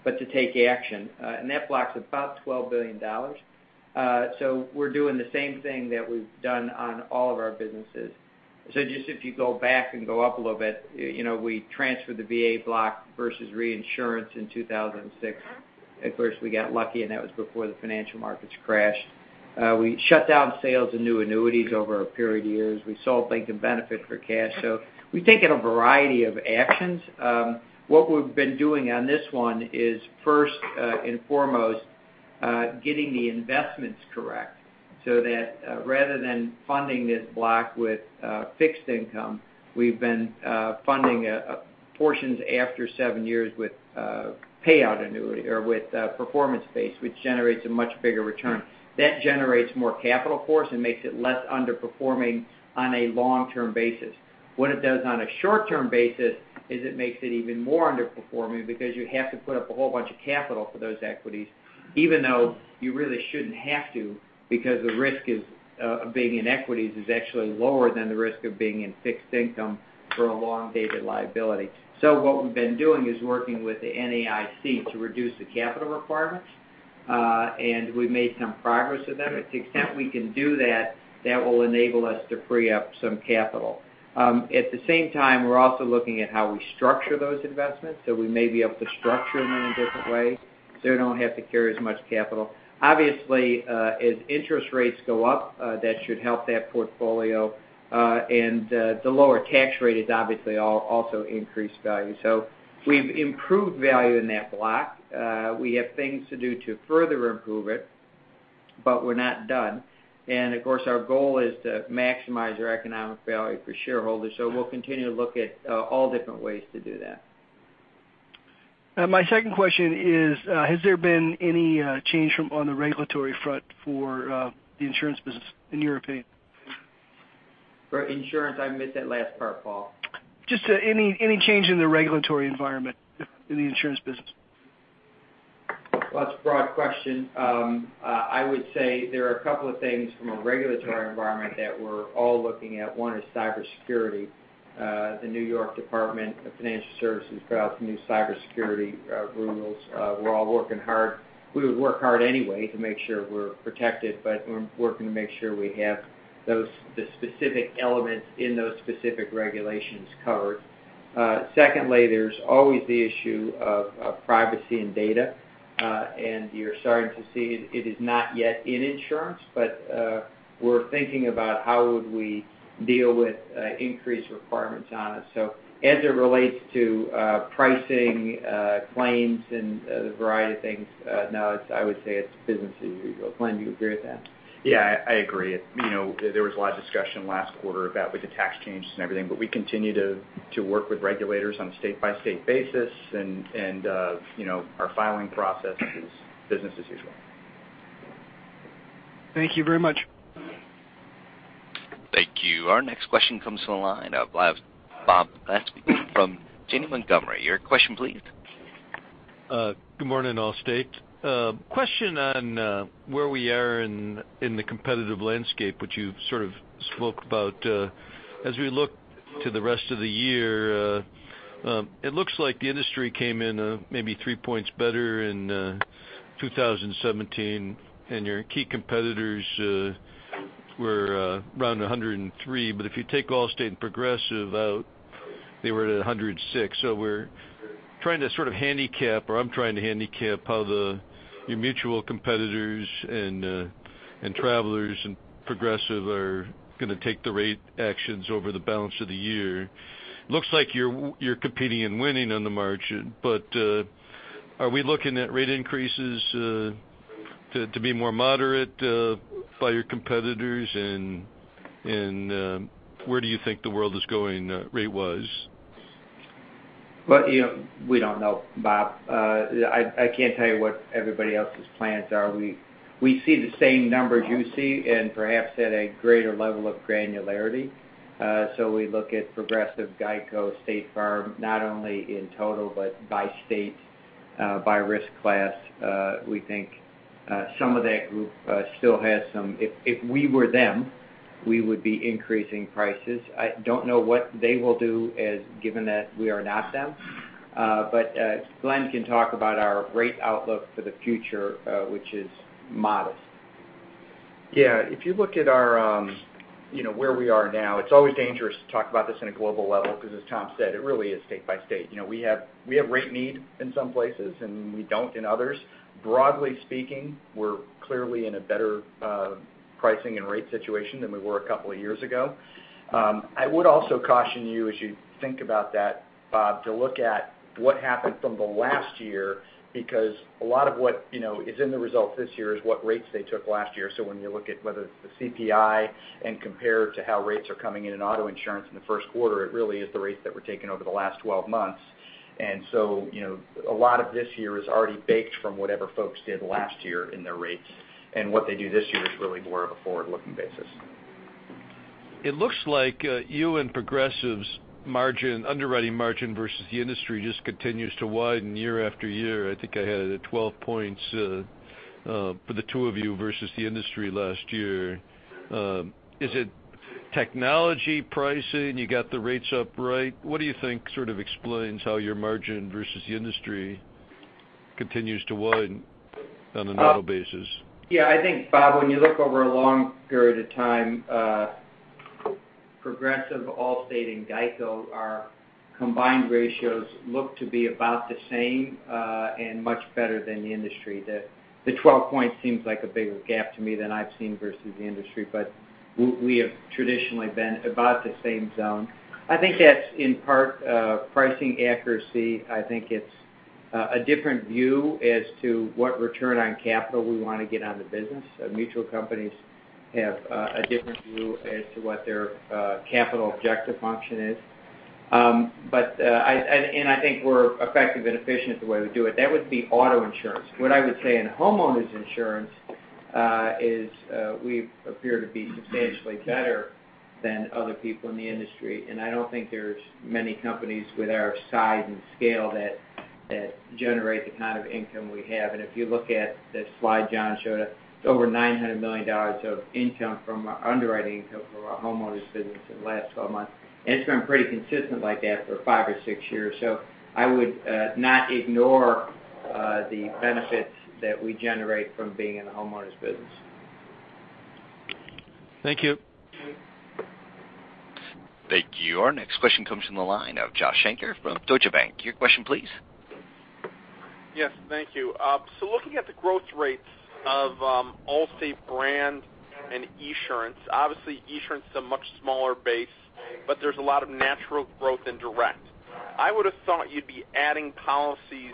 but to take action. That block's about $12 billion. We're doing the same thing that we've done on all of our businesses. Just if you go back and go up a little bit, we transferred the VA block versus reinsurance in 2006. Of course, we got lucky, and that was before the financial markets crashed. We shut down sales and new annuities over a period of years. We sold bank and benefit for cash. We've taken a variety of actions. What we've been doing on this one is first and foremost, getting the investments correct so that rather than funding this block with fixed income, we've been funding portions after seven years with payout annuity or with performance-based, which generates a much bigger return. That generates more capital for us and makes it less underperforming on a long-term basis. What it does on a short-term basis is it makes it even more underperforming because you have to put up a whole bunch of capital for those equities, even though you really shouldn't have to because the risk of being in equities is actually lower than the risk of being in fixed income for a long-dated liability. What we've been doing is working with the NAIC to reduce the capital requirements. We've made some progress with them. To the extent we can do that will enable us to free up some capital. At the same time, we're also looking at how we structure those investments, so we may be able to structure them in a different way so we don't have to carry as much capital. Obviously, as interest rates go up, that should help that portfolio. The lower tax rate is obviously also increased value. We've improved value in that block. We have things to do to further improve it, but we're not done. Of course, our goal is to maximize our economic value for shareholders. We'll continue to look at all different ways to do that. My second question is, has there been any change on the regulatory front for the insurance business, in your opinion? For insurance? I missed that last part, Paul. Just any change in the regulatory environment in the insurance business? Well, that's a broad question. I would say there are a couple of things from a regulatory environment that we're all looking at. One is cybersecurity. The New York Department of Financial Services put out some new cybersecurity rules. We're all working hard. We would work hard anyway to make sure we're protected, but we're working to make sure we have the specific elements in those specific regulations covered. Secondly, there's always the issue of privacy and data. You're starting to see it is not yet in insurance, but we're thinking about how would we deal with increased requirements on it. As it relates to pricing, claims, and the variety of things, no, I would say it's business as usual. Glenn, do you agree with that? Yeah, I agree. There was a lot of discussion last quarter about with the tax changes and everything, we continue to work with regulators on a state-by-state basis, our filing process is business as usual. Thank you very much. Thank you. Our next question comes from the line of Bob Matuszek from Janney Montgomery. Your question please. Good morning, Allstate. A question on where we are in the competitive landscape, which you sort of spoke about. As we look to the rest of the year, it looks like the industry came in maybe three points better in 2017, and your key competitors were around 103, but if you take Allstate and Progressive out, they were at 106. We're trying to sort of handicap, or I'm trying to handicap how your mutual competitors and Travelers and Progressive are going to take the rate actions over the balance of the year. Looks like you're competing and winning on the margin, but are we looking at rate increases to be more moderate by your competitors? Where do you think the world is going rate-wise? Well, we don't know, Bob. I can't tell you what everybody else's plans are. We see the same numbers you see, and perhaps at a greater level of granularity. We look at Progressive, Geico, State Farm, not only in total, but by state, by risk class. We think some of that group still has some. If we were them, we would be increasing prices. I don't know what they will do as given that we are not them. Glenn can talk about our rate outlook for the future, which is modest. Yeah. If you look at where we are now, it's always dangerous to talk about this on a global level, because as Tom Wilson said, it really is state by state. We have rate need in some places, and we don't in others. Broadly speaking, we're clearly in a better pricing and rate situation than we were a couple of years ago. I would also caution you, as you think about that, Bob Matuszek, to look at what happened from the last year, because a lot of what is in the results this year is what rates they took last year. When you look at whether it's the CPI and compare it to how rates are coming in auto insurance in the first quarter, it really is the rates that were taken over the last 12 months. A lot of this year is already baked from whatever folks did last year in their rates, and what they do this year is really more of a forward-looking basis. It looks like you and Progressive's underwriting margin versus the industry just continues to widen year after year. I think I had it at 12 points for the two of you versus the industry last year. Is it technology pricing? You got the rates up right. What do you think sort of explains how your margin versus the industry continues to widen on an annual basis? Yeah, I think, Bob Matuszek, when you look over a long period of time, Progressive, Allstate, and Geico, our combined ratios look to be about the same and much better than the industry. The 12 points seems like a bigger gap to me than I've seen versus the industry, but we have traditionally been about the same zone. I think that's in part pricing accuracy. I think it's a different view as to what return on capital we want to get on the business. Mutual companies have a different view as to what their capital objective function is. I think we're effective and efficient at the way we do it. That would be auto insurance. What I would say in homeowners insurance is we appear to be substantially better than other people in the industry, I don't think there's many companies with our size and scale that generate the kind of income we have. If you look at the slide John showed us, it's over $900 million of underwriting income from our homeowners business in the last 12 months. It's been pretty consistent like that for five or six years. I would not ignore the benefits that we generate from being in the homeowners business. Thank you. Thank you. Our next question comes from the line of Joshua Shanker from Deutsche Bank. Your question, please. Yes. Thank you. Looking at the growth rates of Allstate brand and Esurance, obviously Esurance is a much smaller base, but there's a lot of natural growth in direct. I would have thought you'd be adding policies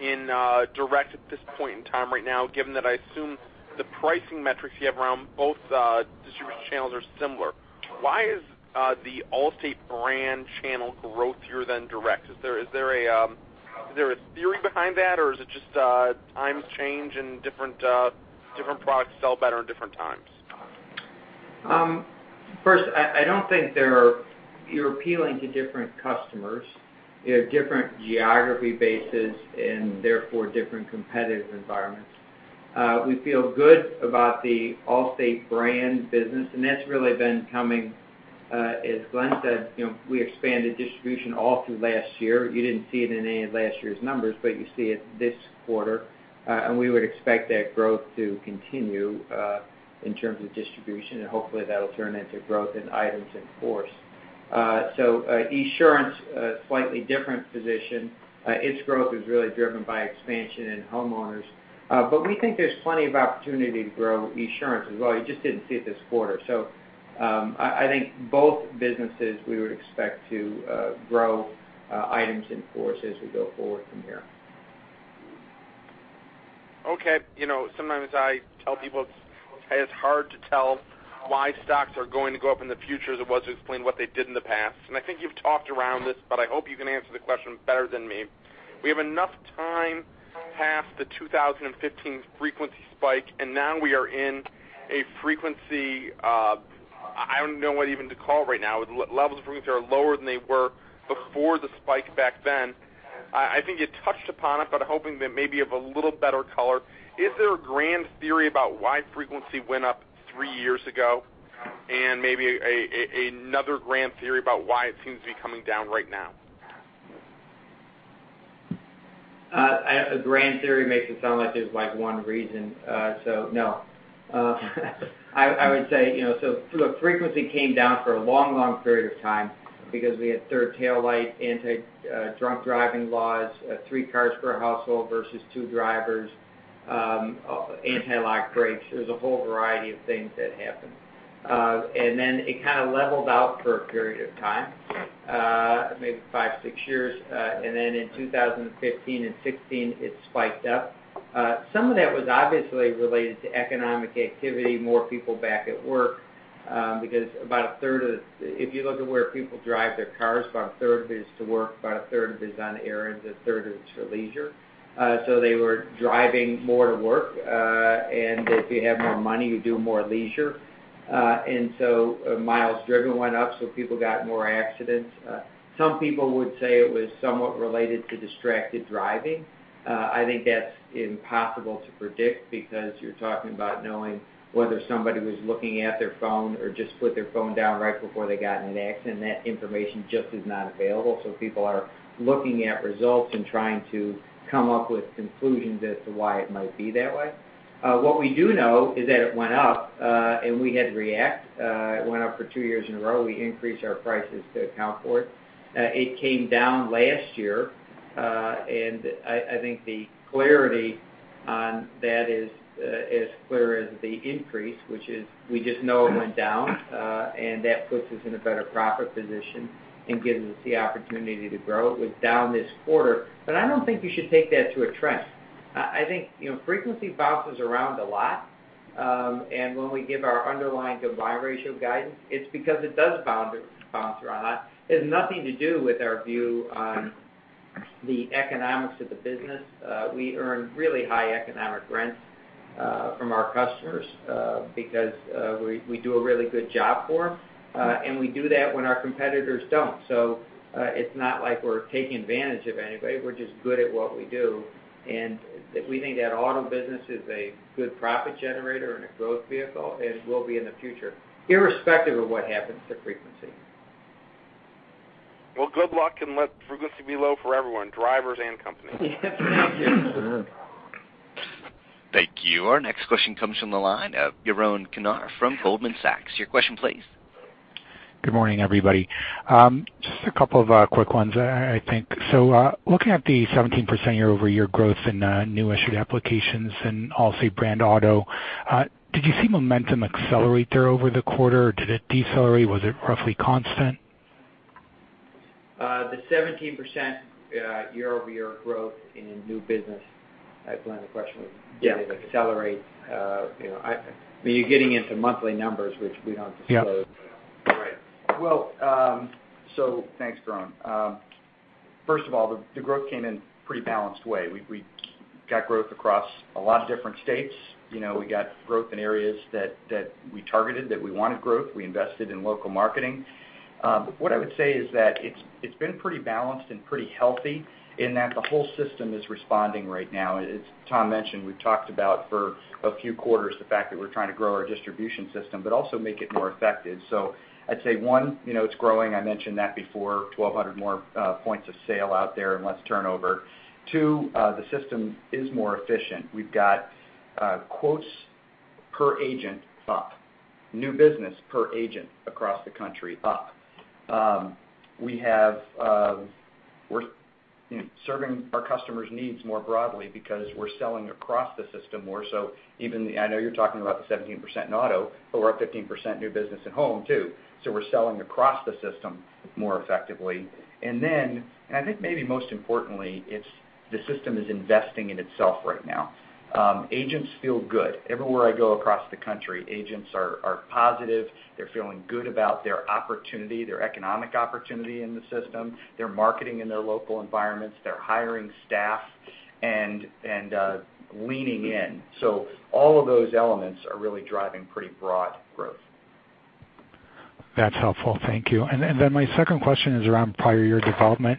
in direct at this point in time right now, given that I assume the pricing metrics you have around both distribution channels are similar. Why is the Allstate brand channel growthier than direct? Is there a theory behind that, or is it just times change and different products sell better at different times? First, I don't think you're appealing to different customers. You have different geography bases and therefore different competitive environments. We feel good about the Allstate brand business, and that's really been coming, as Glenn said, we expanded distribution all through last year. You didn't see it in any of last year's numbers, but you see it this quarter. We would expect that growth to continue in terms of distribution, and hopefully, that'll turn into growth in items in force. Esurance, a slightly different position. Its growth is really driven by expansion in homeowners. We think there's plenty of opportunity to grow Esurance as well. You just didn't see it this quarter. I think both businesses, we would expect to grow items in force as we go forward from here. Okay. Sometimes I tell people it's hard to tell why stocks are going to go up in the future as it was to explain what they did in the past. I think you've talked around this, but I hope you can answer the question better than me. We have enough time past the 2015 frequency spike, and now we are in a frequency of, I don't know what even to call right now. Levels of frequency are lower than they were before the spike back then. I think you touched upon it, but hoping that maybe you have a little better color. Is there a grand theory about why frequency went up three years ago, and maybe another grand theory about why it seems to be coming down right now? A grand theory makes it sound like there's one reason. No. I would say, frequency came down for a long, long period of time because we had third tail light, anti-drunk driving laws, three cars per household versus two drivers. Anti-lock brakes. There's a whole variety of things that happen. It kind of leveled out for a period of time, maybe five, six years. In 2015 and 2016, it spiked up. Some of that was obviously related to economic activity, more people back at work, because if you look at where people drive their cars, about a third is to work, about a third is on errands, a third is for leisure. They were driving more to work, and if you have more money, you do more leisure. Miles driven went up, people got more accidents. Some people would say it was somewhat related to distracted driving. I think that's impossible to predict because you're talking about knowing whether somebody was looking at their phone or just put their phone down right before they got in an accident. That information just is not available, people are looking at results and trying to come up with conclusions as to why it might be that way. What we do know is that it went up, we had to react. It went up for two years in a row. We increased our prices to account for it. It came down last year, I think the clarity on that is as clear as the increase, which is we just know it went down, that puts us in a better profit position and gives us the opportunity to grow. It was down this quarter, I don't think you should take that to a trend. I think frequency bounces around a lot. When we give our underlying combined ratio guidance, it's because it does bounce around a lot. It has nothing to do with our view on the economics of the business. We earn really high economic rents from our customers because we do a really good job for them. We do that when our competitors don't. It's not like we're taking advantage of anybody. We're just good at what we do. We think that auto business is a good profit generator and a growth vehicle, and will be in the future, irrespective of what happens to frequency. Well, good luck and let frequency be low for everyone, drivers and companies. Thank you. Our next question comes from the line of Yaron Kinar from Goldman Sachs. Your question, please. Good morning, everybody. Just a couple of quick ones, I think. Looking at the 17% year-over-year growth in new issued applications in Allstate Brand Auto, did you see momentum accelerate there over the quarter, or did it decelerate? Was it roughly constant? The 17% year-over-year growth in new business. Glenn, the question was. Yeah did it accelerate? You're getting into monthly numbers, which we don't disclose. Yeah. Right. Well, thanks, Yaron. First of all, the growth came in pretty balanced way. We got growth across a lot of different states. We got growth in areas that we targeted, that we wanted growth. We invested in local marketing. What I would say is that it's been pretty balanced and pretty healthy in that the whole system is responding right now. As Tom mentioned, we've talked about for a few quarters the fact that we're trying to grow our distribution system, but also make it more effective. I'd say, one, it's growing. I mentioned that before, 1,200 more points of sale out there and less turnover. Two, the system is more efficient. We've got quotes per agent up, new business per agent across the country up. We're serving our customers' needs more broadly because we're selling across the system more. Even, I know you're talking about the 17% in auto, but we're up 15% new business at home, too. We're selling across the system more effectively. I think maybe most importantly, it's the system is investing in itself right now. Agents feel good. Everywhere I go across the country, agents are positive. They're feeling good about their opportunity, their economic opportunity in the system. They're marketing in their local environments. They're hiring staff and leaning in. All of those elements are really driving pretty broad growth. That's helpful. Thank you. Then my second question is around prior year development.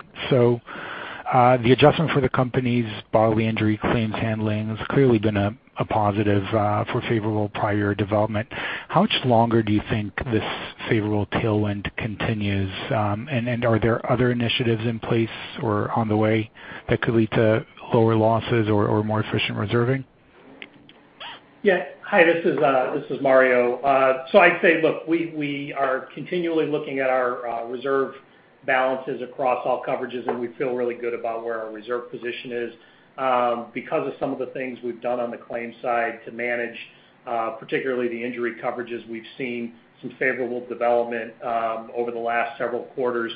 The adjustment for the company's bodily injury claims handling has clearly been a positive for favorable prior development. How much longer do you think this favorable tailwind continues? Are there other initiatives in place or on the way that could lead to lower losses or more efficient reserving? Hi, this is Mario. I'd say, look, we are continually looking at our reserve balances across all coverages. We feel really good about where our reserve position is. Because of some of the things we've done on the claims side to manage particularly the injury coverages, we've seen some favorable development over the last several quarters.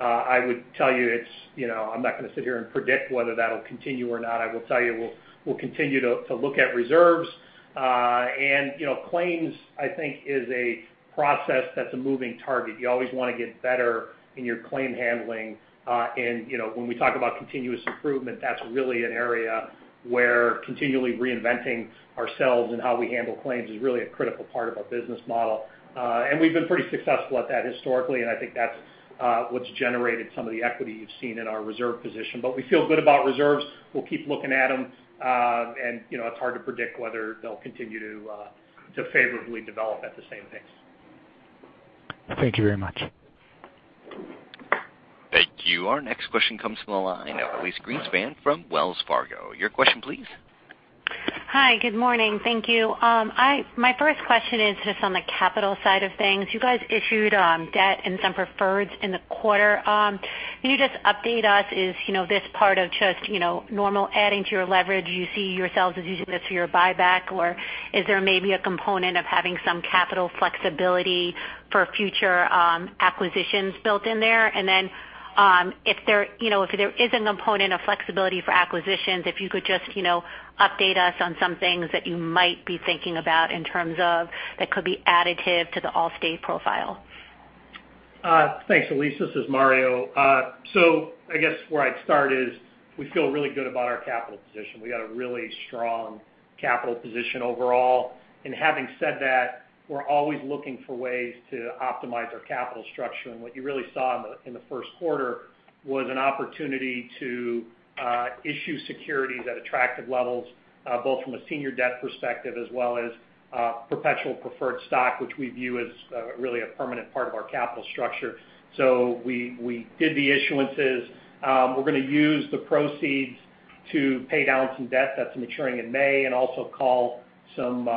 I would tell you, I'm not going to sit here and predict whether that'll continue or not. I will tell you, we'll continue to look at reserves. Claims, I think, is a process that's a moving target. You always want to get better in your claim handling. When we talk about continuous improvement, that's really an area where continually reinventing ourselves and how we handle claims is really a critical part of our business model. We've been pretty successful at that historically, and I think that's what's generated some of the equity you've seen in our reserve position. We feel good about reserves. We'll keep looking at them. It's hard to predict whether they'll continue to favorably develop at the same pace. Thank you very much. Our next question comes from the line of Elyse Greenspan from Wells Fargo. Your question, please? Hi, good morning. Thank you. My first question is just on the capital side of things. You guys issued debt and some preferreds in the quarter. Can you just update us, is this part of just normal adding to your leverage you see yourselves as using this for your buyback, or is there maybe a component of having some capital flexibility for future acquisitions built in there? Then, if there is a component of flexibility for acquisitions, if you could just update us on some things that you might be thinking about in terms of that could be additive to the Allstate profile. Thanks, Elyse. This is Mario. I guess where I'd start is we feel really good about our capital position. We got a really strong capital position overall. Having said that, we're always looking for ways to optimize our capital structure. What you really saw in the first quarter was an opportunity to issue securities at attractive levels, both from a senior debt perspective as well as perpetual preferred stock, which we view as really a permanent part of our capital structure. We did the issuances. We're going to use the proceeds to pay down some debt that's maturing in May and also call some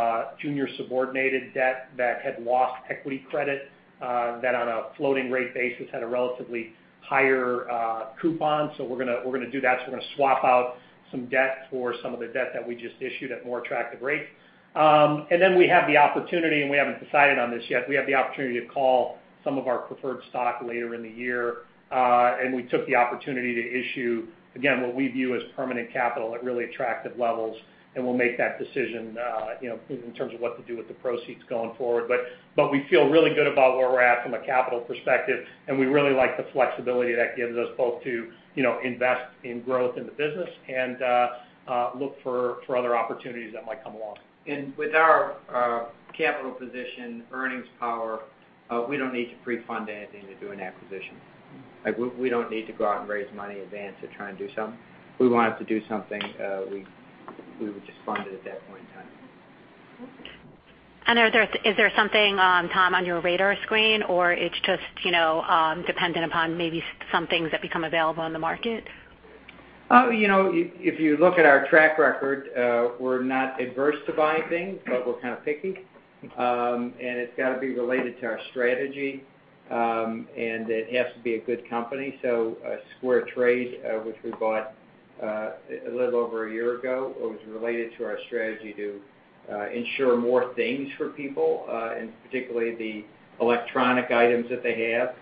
junior subordinated debt that had lost equity credit, that on a floating rate basis, had a relatively higher coupon. We're going to do that. We're going to swap out some debt for some of the debt that we just issued at more attractive rates. Then we have the opportunity, and we haven't decided on this yet, we have the opportunity to call some of our preferred stock later in the year. We took the opportunity to issue, again, what we view as permanent capital at really attractive levels, and we'll make that decision, in terms of what to do with the proceeds going forward. We feel really good about where we're at from a capital perspective, and we really like the flexibility that gives us both to invest in growth in the business and look for other opportunities that might come along. With our capital position, earnings power, we don't need to pre-fund anything to do an acquisition. We don't need to go out and raise money in advance to try and do something. If we wanted to do something, we would just fund it at that point in time. Is there something, Tom, on your radar screen, or it's just dependent upon maybe some things that become available in the market? If you look at our track record, we're not adverse to buying things, but we're kind of picky. It's got to be related to our strategy. It has to be a good company. SquareTrade, which we bought a little over a year ago, it was related to our strategy to insure more things for people, and particularly the electronic items that they have.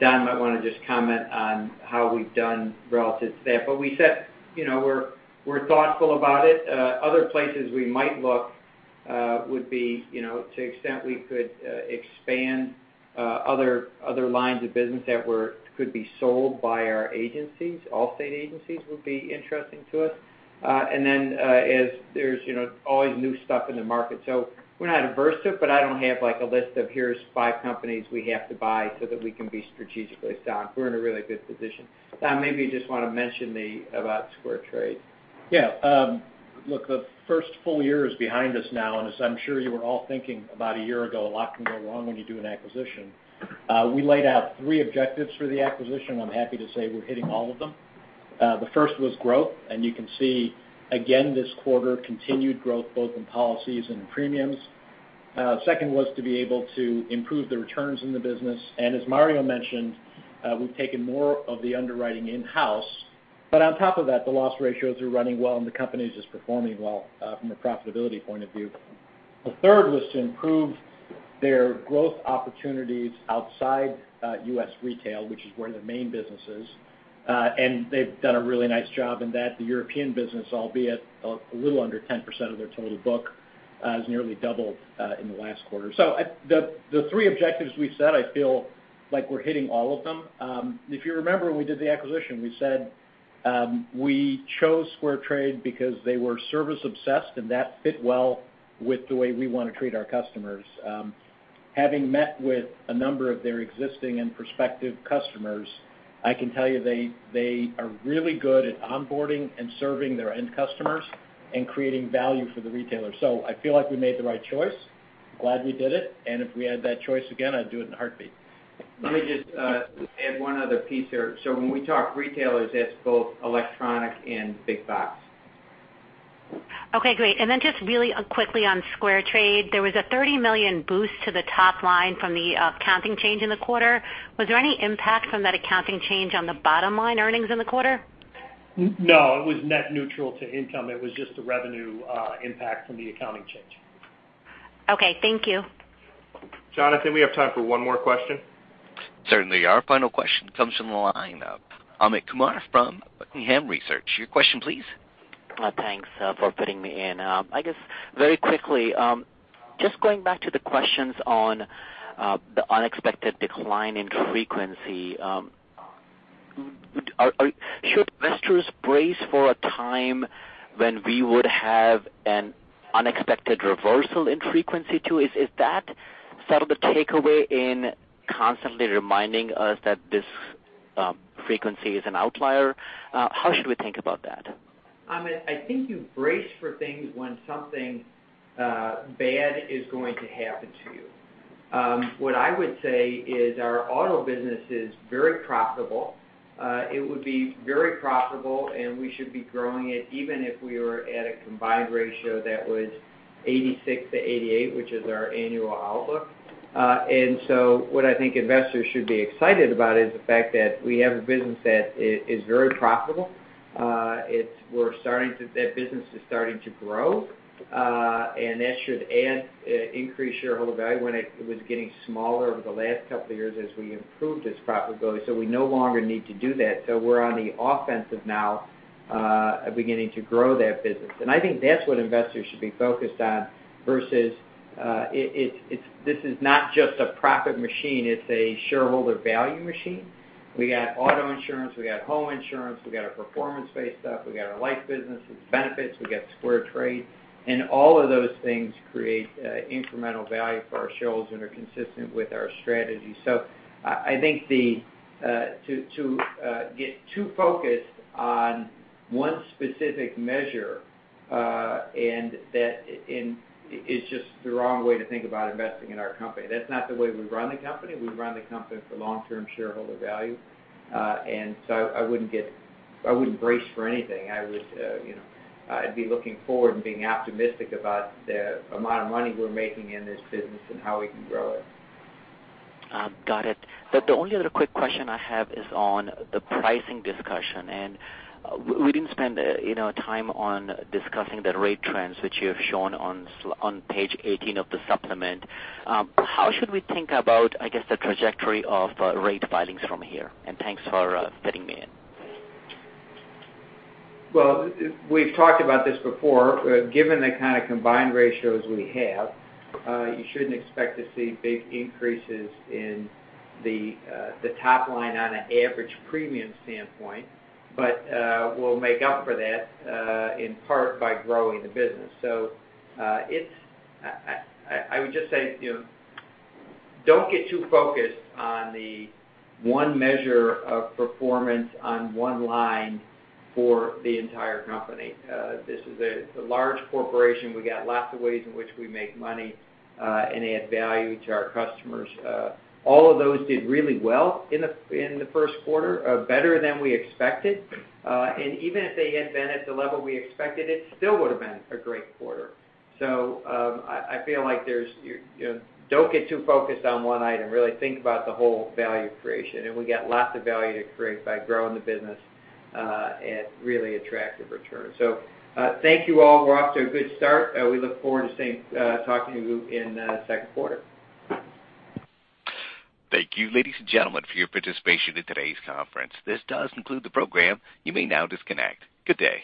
Don might want to just comment on how we've done relative to that. We said we're thoughtful about it. Other places we might look would be to the extent we could expand other lines of business that could be sold by our agencies, Allstate agencies would be interesting to us. There's always new stuff in the market. We're not adverse to it, but I don't have a list of here's five companies we have to buy so that we can be strategically sound. We're in a really good position. Don, maybe you just want to mention about SquareTrade. Yeah. Look, the first full year is behind us now. As I'm sure you were all thinking about a year ago, a lot can go wrong when you do an acquisition. We laid out three objectives for the acquisition. I'm happy to say we're hitting all of them. The first was growth. You can see again this quarter, continued growth both in policies and in premiums. Second was to be able to improve the returns in the business. As Mario mentioned, we've taken more of the underwriting in-house. On top of that, the loss ratios are running well, and the company's just performing well from a profitability point of view. The third was to improve their growth opportunities outside U.S. retail, which is where their main business is. They've done a really nice job in that. The European business, albeit a little under 10% of their total book, has nearly doubled in the last quarter. The three objectives we set, I feel like we're hitting all of them. If you remember when we did the acquisition, we said we chose SquareTrade because they were service-obsessed, and that fit well with the way we want to treat our customers. Having met with a number of their existing and prospective customers, I can tell you they are really good at onboarding and serving their end customers and creating value for the retailer. I feel like we made the right choice. Glad we did it, and if we had that choice again, I'd do it in a heartbeat. Let me just add one other piece here. When we talk retailers, that's both electronic and big box. Okay, great. Just really quickly on SquareTrade, there was a $30 million boost to the top line from the accounting change in the quarter. Was there any impact from that accounting change on the bottom-line earnings in the quarter? No, it was net neutral to income. It was just the revenue impact from the accounting change. Okay. Thank you. Jonathan, we have time for one more question. Certainly. Our final question comes from the line of Amit Kumar from Buckingham Research. Your question, please. Thanks for putting me in. I guess very quickly, just going back to the questions on the unexpected decline in frequency. Should investors brace for a time when we would have an unexpected reversal in frequency, too? Is that sort of the takeaway in constantly reminding us that this frequency is an outlier? How should we think about that? Amit, I think you brace for things when something bad is going to happen to you. What I would say is our auto business is very profitable. It would be very profitable, and we should be growing it even if we were at a combined ratio that was 86-88, which is our annual outlook. What I think investors should be excited about is the fact that we have a business that is very profitable. That business is starting to grow, and that should increase shareholder value when it was getting smaller over the last couple of years as we improved its profitability. We no longer need to do that. We're on the offensive now, beginning to grow that business. I think that's what investors should be focused on versus this is not just a profit machine, it's a shareholder value machine. We got auto insurance, we got home insurance, we got our performance-based stuff, we got our life business with benefits, we got SquareTrade. All of those things create incremental value for our shareholders and are consistent with our strategy. I think to get too focused on one specific measure is just the wrong way to think about investing in our company. That's not the way we run the company. We run the company for long-term shareholder value. I wouldn't brace for anything. I'd be looking forward and being optimistic about the amount of money we're making in this business and how we can grow it. Got it. The only other quick question I have is on the pricing discussion. We didn't spend time on discussing the rate trends that you have shown on page 18 of the supplement. How should we think about, I guess, the trajectory of rate filings from here? Thanks for fitting me in. Well, we've talked about this before. Given the kind of combined ratios we have, you shouldn't expect to see big increases in the top line on an average premium standpoint. We'll make up for that in part by growing the business. I would just say, don't get too focused on the one measure of performance on one line for the entire company. This is a large corporation. We got lots of ways in which we make money and add value to our customers. All of those did really well in the first quarter, better than we expected. Even if they had been at the level we expected, it still would have been a great quarter. I feel like don't get too focused on one item. Really think about the whole value creation. We got lots of value to create by growing the business at really attractive returns. Thank you all. We're off to a good start. We look forward to talking to you in the second quarter. Thank you, ladies and gentlemen, for your participation in today's conference. This does conclude the program. You may now disconnect. Good day.